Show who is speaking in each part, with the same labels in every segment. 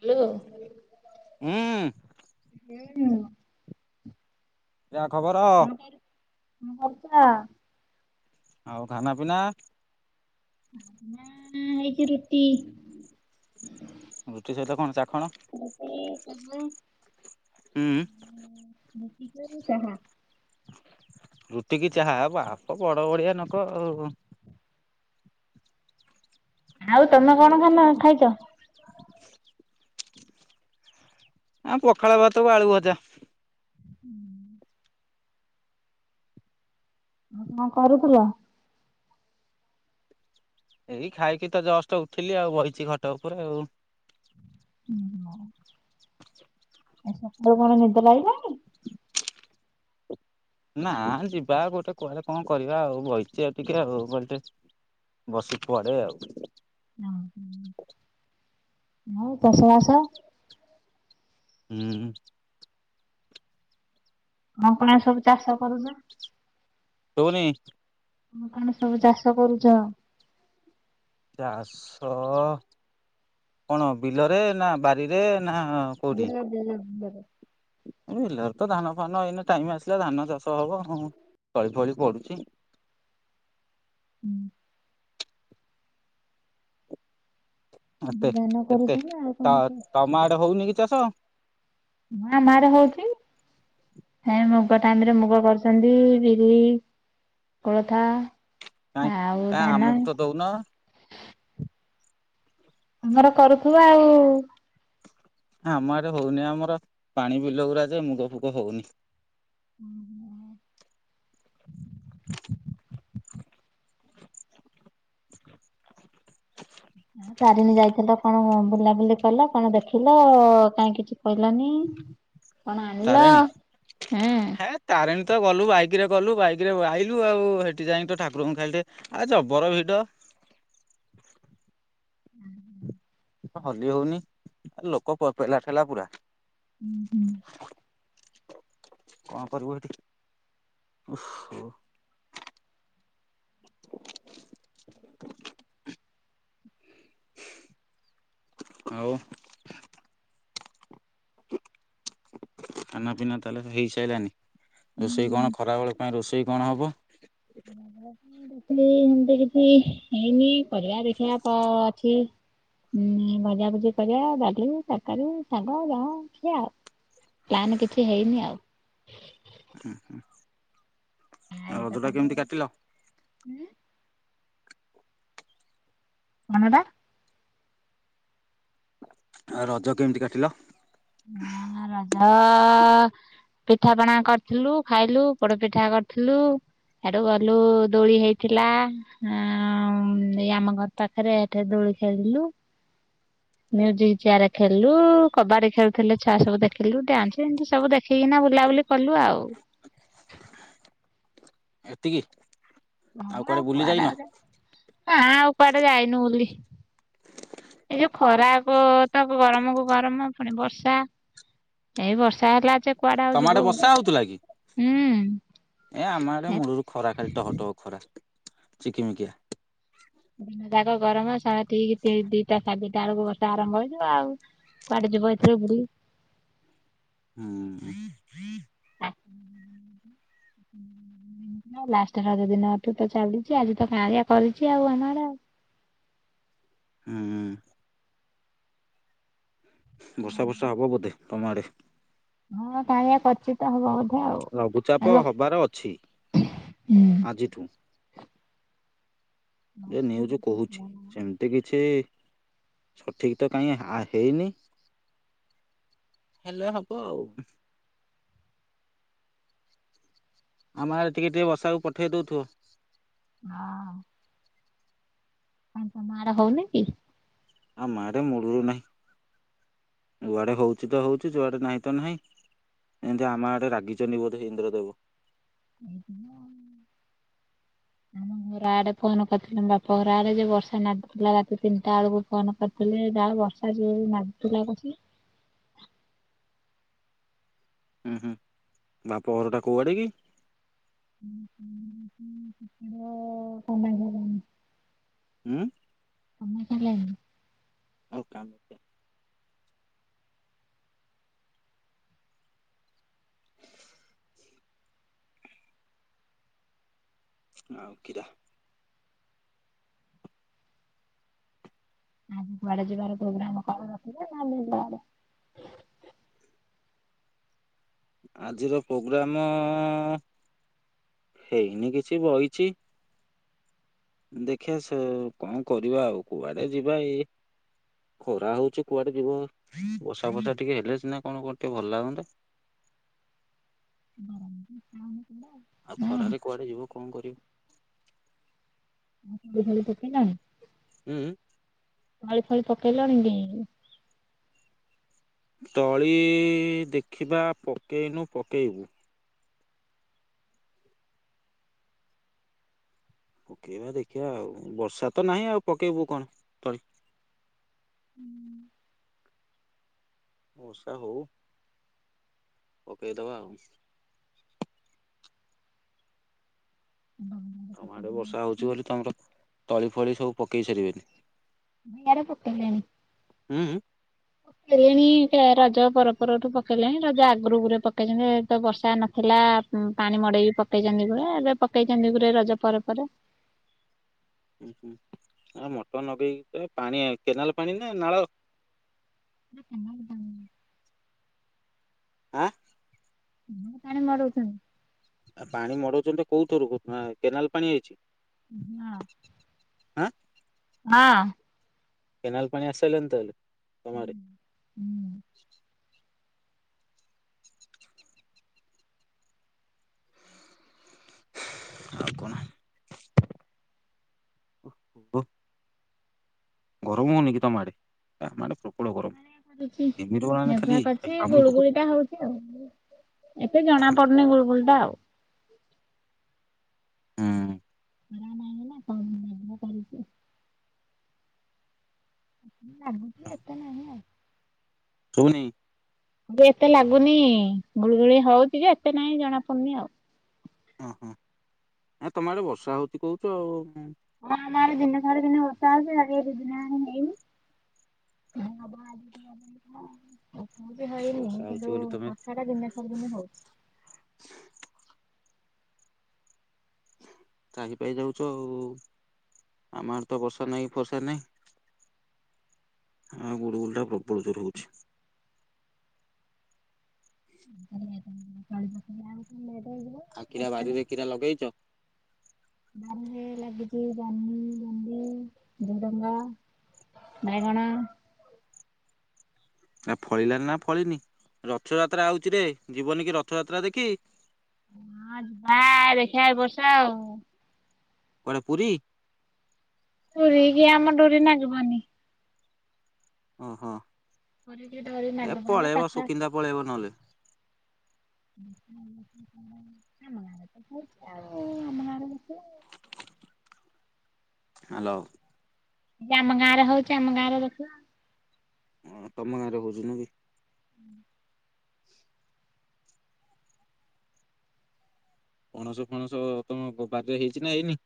Speaker 1: Hello
Speaker 2: ହୁଁ
Speaker 1: ହୁଁ।
Speaker 2: ଯାହା ଖବର।
Speaker 1: [unintelligible]
Speaker 2: ଆଉ ଖାନା ପିନା?
Speaker 1: ନା ହେଇଚି ରୁଟି।
Speaker 2: ରୁଟି ସହିତ କଣ ଚାଖଣ?
Speaker 1: ରୁଟି
Speaker 2: ହୁଁ।
Speaker 1: ରୁଟି କରି ଚାହା
Speaker 2: ରୁଟିିକି ଚାହା ଆଉ ଆପଣ ବଡ଼ ବଡିଆ ଲୋକ ଆଉ
Speaker 1: ଆଉ ତମେ କଣ କନ ଖାଇଚ?
Speaker 2: ଆମେ ପଖାଳ ଭାତକୁ ଆଳୁ ଭଜା।
Speaker 1: [unintelligible] ଆଉ କଣ କରୁଥିଲ?
Speaker 2: ଏଇ ଖାଇକିତ ଜଷ୍ଟ ଉଠିଲି ଆଉ ବଇଚି ଖଟ ଉପରେ ଆଉ
Speaker 1: [unintelligible] ଆଜି ସକାଳୁ କଣ ନିଦ ଲାଗିଲାଣି?
Speaker 2: ନାଁ ଯିବା ଗୋଟେ କୁଆଡେ କଣ କରିବା ଆଉ ବଇଚି ଆଉ ଟିକେ ଆଉ ଘଣ୍ଟେ ବସି ପଡେ ଆଉ
Speaker 1: [unintelligible] ଆଉ ଚାଷ ବାଷ
Speaker 2: ହୁଁ।
Speaker 1: କଣ କଣିଆ ସବୁ ଚାଷ କରୁଚ?
Speaker 2: ଶୁବୁନି
Speaker 1: କଣ କଣ ସବୁ ଚାଷ କରୁଚ?
Speaker 2: ଚାଷ କଣ ବିଲରେ ନା ବାରିରେ ନା?
Speaker 1: ବିଲ ବିଲ ବିଲରେ
Speaker 2: ବିଲରେତ ଧାନ ଫାନ ଏଇନା ଟାଇମ ଆସିଲା ଧାନ ଚାଷ ହବ ହଉ ତଳି ଫଳି ପଡୁଚି।
Speaker 1: [unintelligible]
Speaker 2: ଏତେ
Speaker 1: ଧାନ କରୁଛ
Speaker 2: ଏତେ
Speaker 1: ନା ଆଉ କଣ
Speaker 2: ତ
Speaker 1: ସବୁ?
Speaker 2: ତମ ଆଡେ ହଉନିକି ଚାଷ?
Speaker 1: ହୁଁ ଆମଆଡେ ହଉଚି। ଏଇ ମୁଗ ଟାଇମରେ ମୁଗ କରୁଚନ୍ତି ବିରି କୋଳଥ ଆଉ ଧାନ।
Speaker 2: କୋଉନ।
Speaker 1: ତମର କରୁଥିବ ଆଉ
Speaker 2: ଆମ ଆଡେ ହଉନି ଆମର ପାଣି ବିଲ ଉରା ଯେ ମୁଗ ଫୁଗ ହଉନି।
Speaker 1: [unintelligible]
Speaker 2: [unintelligible]
Speaker 1: ତାରେଣୀ ଯାଇଥିଲ କଣ ବୁଲାବୁଲି କଲ କଣ ଦେଖିଲ କାଇଁ କିଛି? କହିଲନି କଣ ଆଣିଲ ହେଁ?
Speaker 2: ତାରେଣୀତ ଗଲୁ ବାଇକିରେ ଗଲୁ ବାଇକିରେ ଆଇଲୁ ଆଉ ହେଠି ଯାଇକିତ ଠାକୁରଙ୍କୁ ଖାଲି ଟିକେ ଆଏ ଜବର ଭିଡ।
Speaker 1: [inaudible]
Speaker 2: ହଲି ହଉନି ଲୋକ ପ ପେଲାଠେଲା ପୁରା
Speaker 1: [unintelligible]
Speaker 2: କଣ କରିବୁ ଏଠି ଓହୋ ଆଉ ଖାନାପିନା ତାହେଲେ ହେଇସାଇଲାନି ରୋଷେଇ କଣ ଖରା ବେଳକୁ? [unintelligible] ରୋଷେଇ କଣ ହେବ?
Speaker 1: ଆଜି ରୋଷେଇ ସେମିତି କିଛି ହେଇନି କରିବା ଦେଖିବା କଣ ଅଛି? ହୁଁ ଭଜା ଭୁଜିଆ କରିବା ଡାଲି ତରକାରୀ ଶାଗ ଯାହା ଅଛି ଆଉ ପ୍ଲାନ କିଛି ହେଇନି ଆଉ
Speaker 2: ଉଁ ହୁଁ ଆଉ ରଜଟା କେମିତି କାଟିଲ?
Speaker 1: [unintelligible] କଣଟା
Speaker 2: ରଜ କେମିତି କାଟିଲ?
Speaker 1: ଉଁ ରଜ ପିଠାପଣା କରିଥିଲୁ ଖାଇଲୁ ପୋଡ ପିଠା କରିଥିଲୁ ହେଡୁ ଗଲୁ ଦୋଳି ହେଇଥିଲା ଏଇ ଆମ ଘର ପାଖରେ ସେଠି ଦୋଳି ଖେଳିଲୁ। ମ୍ୟୁଜିକ ଚେୟାର ଖେଳିଲୁ କବାଡି ଖେଳୁ ଥିଲେ ଛୁଆ ସବୁ ଦେଖିଲୁ ଡ୍ୟାନ୍ସ ଏମିତି ସବୁ ଦେଖିକିନା ବୁଲାବୁଲି କଲୁ ଆଉ।
Speaker 2: ଏତିକି?
Speaker 1: ହଁ ଆଉ କୁଆଡେ ନା ଆଉ କୁଆଡେ ଯାଇନୁ ବୁଲି। ଏଇ ଯୋଉ ଖରାକୁ ତ ଗରମକୁ ଗରମ ପୁଣି ବର୍ଷା। ଏଇ ବର୍ଷା ହେଲା ଯେ କୁଆଡେ ଆଉ
Speaker 2: ତମ
Speaker 1: ଯିବ
Speaker 2: ଆଡ଼େ
Speaker 1: ବୁଲି
Speaker 2: ବର୍ଷା ହଉଥିଲା କି?
Speaker 1: ହୁଁ।
Speaker 2: ଏ ଆମଆଡ଼େ ମୂଳରୁ ଖରା ଖାଲି ଟହ ଟହ ଖରା ଚିକିମିକିଆ।
Speaker 1: ଦିନ ଯାକ ଗରମ ସେ ଠିକ ଦିଟା ସାଢେ ଦିଟା ବେଳକୁ ବର୍ଷା ଆରମ୍ଭ ହେଇଯିବ ଆଉ। କୁଆଡେ ଯିବ ଏଥିରେ ବୁଲି।
Speaker 2: ହଁ
Speaker 1: ଲାଷ୍ଟ ରଜଦିନଠୁ ତ ଚାଲିଛି ଆଜି ତ କାହାଳିଆ କରିଛି ଆଉ ଆମ ଆଡ଼େ ଆଉ।
Speaker 2: ଉହୁଁ ବର୍ଷା ଫର୍ଷା ହବ ବୋଧେ ତମ ଆଡ଼େ?
Speaker 1: ହଁ କାହାଳିଆ କରଚି ତ ହବ ବୋଧେ ଆଉ।
Speaker 2: ଲଘୁଚାପ
Speaker 1: ଲୋ
Speaker 2: ଜିଠୁ
Speaker 1: ହଁ
Speaker 2: ଯେ
Speaker 1: କାଇଁ
Speaker 2: ନିଉଜ କହୁଛି ସେମ ତି କିଛି ସଠିକ ତ କାହିଁ ଆଁ ହେଇନି। ହେଲେ ହବ ଆଉ। ଆମ ଆଡ଼େ ଟିକେ ଟିକେ ବର୍ଷାକୁ ପଠେଇ ଦଉଥିବ।
Speaker 1: ହଁ କାଇଁ ତମ ଆଡ଼େ ହଉନି କି?
Speaker 2: ଆମ ଆଡ଼େ ମୁଳରୁ ନାହିଁ ଯୁଆଡେ ହଉଛି ତ ହଉଛି ଯୁଆଡେ ନାହିଁ ତ ନାହିଁ। ଏମିତି ଆମ ଆଡେ ରାଗିଛନ୍ତି ବୋଧେ ଇନ୍ଦ୍ର ଦେବ।
Speaker 1: [unintelligible] ଆମ ଘର ଆଡେ ଫୋନ କରିଥିଲେ। ବାପା ଘର ଆଡେ ଯେ, ବର୍ଷା ନାଦିଥିଲା ତିନିଟା ବେଳକୁ ଫୋନ କରି ଥିଲେ ଯାହା ବର୍ଷା ଯୋଉ ନାଦୁଥିଲା କସି।
Speaker 2: ହୁ ହୁଁ, ବାପ ଘର ଟା କୋଉଆଡେ କି?
Speaker 1: ମୋ [inaudible]
Speaker 2: ଉଁ?
Speaker 1: କାମାକ୍ଷା ଲାଇନି।
Speaker 2: ଓ [unintelligible] ଆଉ କିରା।
Speaker 1: ଆଜି କୁଆଡେ ଯିବାର ପ୍ରୋଗ୍ରାମ କରଥିଲ ନା, ଏମିତି ଯୁଆଡେ
Speaker 2: ଆଜିର ପ୍ରୋଗ୍ରାମ ହେଇନି କିଛି ବଇଚି। ଦେଖିବା ସେ କଣ କରିବା, ଆଉ କୁଆଡେ ଯିବା, ଏ ଖରା ହଉଛି କୁଆଡେ ଯିବ? ବର୍ଷା ଫର୍ଷା ଟିକେ ହେଲେ ସିନା କଣ କରିତେ ଭଲ ଲାଗନ୍ତା।
Speaker 1: [unintelligible]
Speaker 2: ଆଉ ଖରାରେ କୁଆଡେ ଯିବ, କଣ କରିବ?
Speaker 1: ଗୁହାଳ ପକେଇଲଣି?
Speaker 2: ହୁଁ।
Speaker 1: ତଳି ଫଳି ପକେଇଲଣି କି?
Speaker 2: ତଳି ଦେଖିବା ପକେଇନୁ ପକେଇବୁ। ପକେଇବା ଦେଖିବା ଆଉ ବର୍ଷା ତ ନାହିଁ, ଆଉ ପକେଇବୁ କଣ ତଳି। ବର୍ଷା ହଉ। ପକେଇ ଦବା ଆଉ।
Speaker 1: ଆମ
Speaker 2: ତମ ଆଡେ ବର୍ଷା ହଉଛି ବୋଲି ତମର ତଳି ଫଳି ସବୁ ପକେଇ ସାରିବେନି।
Speaker 1: ଇଆଡେ ପକେଇଲେଣି।
Speaker 2: ଉଁ ଉଁ।
Speaker 1: ପକେଲେଣି ତ ରଜ ପର ପରଠୁ ପକେଇଲେଣି ରଜ ଆଗରୁ ଗୁରେ ପକେଇଛନ୍ତି ଏଠିତ ବର୍ଷା ନ ଥିଲା। ହଁ ପାଣି ମଡେଇକି ପକେଇଛନ୍ତି ଗୁରେ, ଏବେ ପକେଇଛନ୍ତି ଗୁରେ ରଜ ପରେ ପରେ।
Speaker 2: ଉଁ ହୁଁ ଆ ମଟର ନଗେଇକି ଏ ପାଣି, କେନାଲ ପାଣି ନା ନାଳ?
Speaker 1: କେନାଳ ପାଣି।
Speaker 2: ଆଁ?
Speaker 1: ହଁ ପାଣି ମଡଉଛନ୍ତି।
Speaker 2: ଆ ପାଣି ମଡଉଛନ୍ତି ଯେ କୋଉଥିରୁ କେନାଲ ପାଣି ହେଇଛି?
Speaker 1: ହଁ। ହଁ।
Speaker 2: କେନାଲ ପାଣି ଆସିସାରିଲାଣି ତାହାଲେ ତମ ଆଡେ।
Speaker 1: ହୁଁ।
Speaker 2: ଆଉ କଣ? ଓହୋ ଗରମ ହଉନି କି ତମ ଆଡେ? ଆମ ଆଡେ ପ୍ରବଳ ଗରମ। ଘିମିର ମାନେ ଖାଲି କାମୁଡ଼ି ପକଉଛନ୍ତି।
Speaker 1: ଉଁ ହୁଁ, ଏବେ ଜଣା ପଡୁନି ଗୁଳୁଗୁଳିଟା ଆଉ।
Speaker 2: ହୁଁ।
Speaker 1: ଖରାନାହିଁ ତ ମେଘୁଆ କରିଛି। ଲାଗୁଛି, ଏତେ ନାହିଁ ଆଉ।
Speaker 2: ଶୁଭୁନି।
Speaker 1: ଏବେ ଏତେ ଲାଗୁନି। ଗୁଳିଗୁଳି ହଉଛି ଯେ, ଏତେ ନାହିଁ ଜଣା ପଡୁନି ଆଉ।
Speaker 2: ଓହ, ଏ ତମ ଆଡ଼େ ବର୍ଷା ହଉଛି କହୁଛ ଆଉ।
Speaker 1: ହଁ ଆମ ଆଡେ ଦିନେ ଛାଡି ଦିନେ ବର୍ଷା ହଉଚି। ଆଜି ଏ ଦି ଦିନ ହେଲାଣୀ ହେଇନି। ହଁ [unintelligible] ଏବେ ହେଇନି,
Speaker 2: ବର୍ଷା ହଉଚି
Speaker 1: କିନ୍ତୁ
Speaker 2: ବୋଲି ତମେ
Speaker 1: ବର୍ଷାଟା ଦିନେ ଛାଡି ଦିନେ ହଉଛି।
Speaker 2: ତ୍ରାହି ପାଇ ଯାଉଛ ଆଉ। ଆମ ଆଡେ ତ ବର୍ଷା ନାହିଁ କି ଫର୍ଷା ନାହିଁ। ଆଉ ଗୁଳୁ ଗୁଳୁ ଟା ପ୍ରବଳ ଜୋରେ ହଉଛି।
Speaker 1: [unintelligible] ତଳି ପକେଇଲାବେଳୁ ତ ଲେଟ୍ ହେଇଯିବ।
Speaker 2: ଆଉ କିରା
Speaker 1: ବର୍ଷା ନାହିଁ
Speaker 2: ବାରିରେ କିରା ଲଗେଇଛ?
Speaker 1: ବାରିରେ ଲାଗିଛି ଜହ୍ନି ଭେଣ୍ଡି ଝୁଡୁଙ୍ଗ। ବାଇଗଣ।
Speaker 2: ନା ଫଳିଲାନି ନା ଫଳିନି। ରଥଯାତ୍ରା ଆଉଛି ରେ ଯିବନି କି ରଥଯାତ୍ରା ଦେଖି?
Speaker 1: ହଁ ଯିବା ଦେଖିବା ଏ ବର୍ଷ ଆଉ।
Speaker 2: କୁଆଡ଼େ ପୁରି?
Speaker 1: ପୁରୀକି ଆମ ଡୋରି ନାଗିବନି।
Speaker 2: ଓ ହଁ।
Speaker 1: କରିକି ଡରି ପାନ ଫାନ ପାକା।
Speaker 2: ସୁକିନ୍ଦା ପଳେଇବ ନହେଲେ।
Speaker 1: [inaudible] ଆମାର ଆଡକୁ
Speaker 2: ହାଲୋ।
Speaker 1: ୟେ ଆମ ଗାଁ ର ହଉଚି ଆମ ଗାଁ ରଖିବ।
Speaker 2: ହଁ ତମ ଗାଁରେ ହଉଚି ନୁହଁ କି?
Speaker 1: [inaudible]
Speaker 2: ପଣସ ଫଣସ ତମ ବାଦ ହେଇଚି ନା ହେଇନି?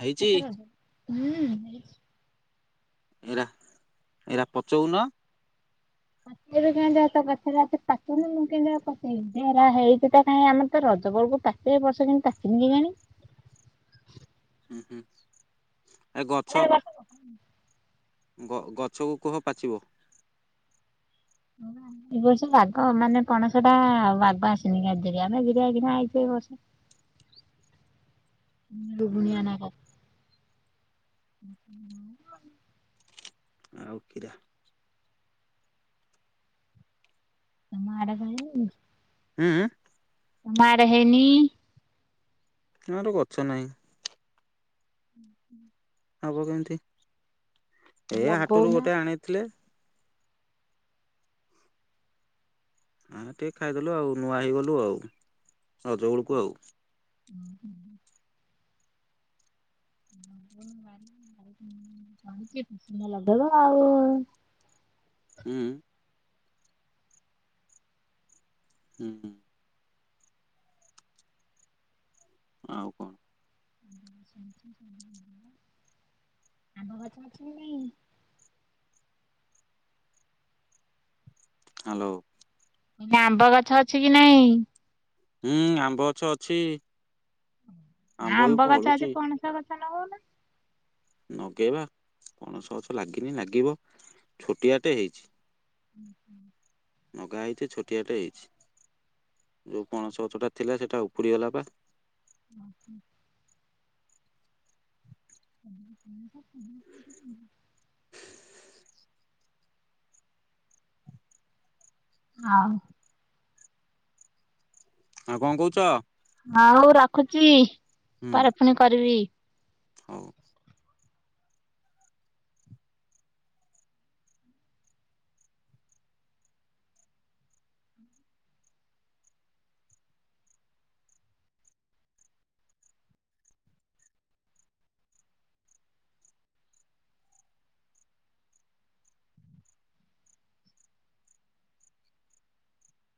Speaker 2: ହେଇଛି ଏଇରା ଏଇରା ପଚଉନ?
Speaker 1: ଏବେ କାଁଇ ତ ଗଛରେ ଆଉ ପାଚିନି ମୁଁ କେମିତି ପଚେଇବି ଯେ। ଏୟୀରା ହେଇଚି ତ କାଇଁ ଆମ ତ ରଜ ବେଳକୁ ପା ଏତେ ବର୍ଷ କାଇଁ ପାଚିନି କେଜାଣି?
Speaker 2: ହୁଁ ହୁଁ ଏ ଗଛ
Speaker 1: [inaudible]
Speaker 2: ଗ ଗଛକୁ କୁହ ପାଚିବ।
Speaker 1: [inaudible] ଏ ବର୍ଷ ବାଗ ମାନେ ପଣସ ଟା ବାଗ ଆସିନି [inaudible] କିନା ଆଇଚି ଏ ବର୍ଷ।
Speaker 2: ହୁଁ
Speaker 1: ରୁଗୁଣିଆ ନା କଣ? ହୁଁ ଅ
Speaker 2: ଆଉ କିିରା?
Speaker 1: ମାଡା କଲେକି ନାଇଁ?
Speaker 2: ହୁଁ ହୁଁ?
Speaker 1: ମାଡା ହେଇନି।
Speaker 2: ମୋର ଗଛ ନାଇଁ।
Speaker 1: [inaudible]
Speaker 2: ହବ କେମିତି? ଏ ହାଟରୁ
Speaker 1: ଲଗଉନ।
Speaker 2: ଗୋଟେ ଆଣିଥିଲେ। ହଁ ଟିକେ ଖାଇଦେଲୁ ଆଉ ନୂଆ ହେଇଗଲୁ ଆଉ ରଜ ବଳକୁ ଆଉ।
Speaker 1: [inaudible] କିତ୍ ଲଗେଇବ ଆଉ।
Speaker 2: ହୁଁ। ହୁଁ ହୁଁ। ଆଉ କଣ?
Speaker 1: ଆମ ଗଛରେ ଛୁଇଁ ନାଇଁ।
Speaker 2: ହାଲୋ।
Speaker 1: ଲି ଆମ୍ବ ଗଛ ଅଛି କି ନାଇଁ?
Speaker 2: ହୁଁ ଆମ୍ବ ଗଛ ଅଛି।
Speaker 1: ହଁ
Speaker 2: ବି
Speaker 1: ଆମ୍ବ ଗଛ
Speaker 2: ଫଳୁଛି।
Speaker 1: ଅଛି। ପଣସ ଗଛ ଲଗଉ ନ?
Speaker 2: ଲଗେଇବା ପଣସ ଗଛ ଲାଗିନି। ଲାଗିବ ଛୋଟିଆଟେ ହେଇଚି।
Speaker 1: [inaudible]
Speaker 2: ନଗା ହେଇଚି। ଛୋଟିଆଟେ ହେଇଚି। ଯେଉଁ ପଣସ ଗଛଟା ଥିଲା ସେଇଟା ଉପୁଡ଼ିଗଲା ବା।
Speaker 1: ହଁ।
Speaker 2: ଆଉ କଁ କହୁଚ?
Speaker 1: ହଉ ରଖୁଛି
Speaker 2: ହୁଁ
Speaker 1: ପରେ ଫୁଣି କରିବି।
Speaker 2: ହଉ